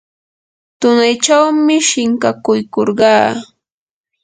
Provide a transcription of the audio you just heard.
tunaychawmi shinkakuykurqaa.